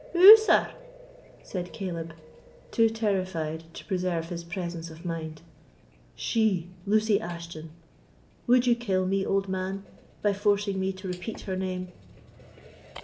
"Who, sir?" said Caleb, too terrified to preserve his presence of mind. "She, Lucy Ashton! Would you kill me, old man, by forcing me to repeat her name?"